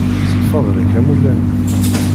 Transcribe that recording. S lfeḍl-ik a mulani.